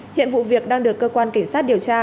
hiện vụ việc đang được cơ quan cảnh sát điều tra